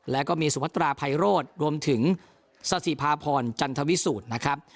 แล้วก็มีสุพัตราภัยโรธรวมถึงสถิภาพรจันทวิสูจน์นะครับ